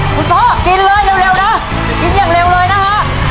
คุณพ่อกินเลยเร็วนะกินอย่างเร็วเลยนะฮะ